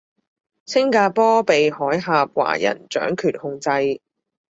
星加坡被海峽華人掌權控制